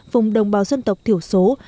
vùng đồng bào dân tộc thiểu số